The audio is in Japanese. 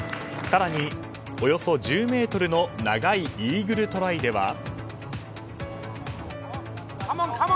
更に、およそ１０ｍの長いイーグルトライでは。